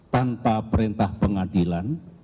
tanpa perintah pengadilan